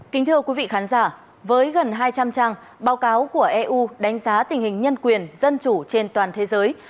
kính thưa quý vị khán giả với gần hai trăm linh trang báo cáo của eu đánh giá tình hình nhân quyền dân chủ trên toàn thế giới